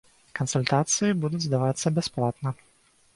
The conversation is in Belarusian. Кансультацыі будуць давацца бясплатна.